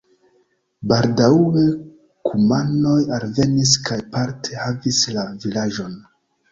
Baldaŭe kumanoj alvenis kaj parte havis la vilaĝon.